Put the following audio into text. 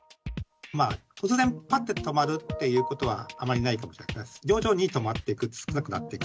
突然ぱっと止まるということは、あまりないかもしれない。